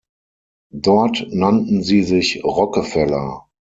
Dort nannten sie sich "Rockefeller".